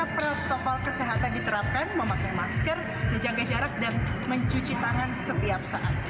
jadi jangan lupa tetap protokol kesehatan diterapkan memakai masker menjaga jarak dan mencuci tangan setiap saat